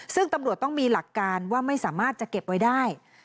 ซึ่งตำรวจต้องมีหลักการว่าไม่สามารถจะเก็บไว้ได้